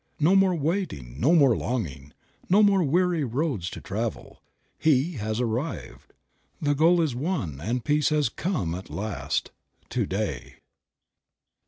No more waiting, no more longing, no more weary roads to travel. He has arrived. The goal is won and peace has come at last. To day.